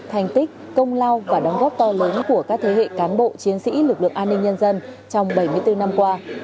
thành tích công lao và đóng góp to lớn của các thế hệ cán bộ chiến sĩ lực lượng an ninh nhân dân trong bảy mươi bốn năm qua